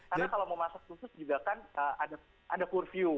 karena kalau mau masak khusus juga kan ada curfew